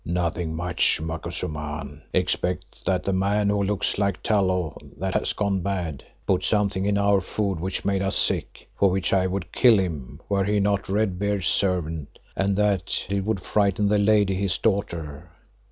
"Nothing much, Macumazahn, except that the man who looks like tallow that has gone bad, put something in our food which made us sick, for which I would kill him were he not Red beard's servant and that it would frighten the lady his daughter.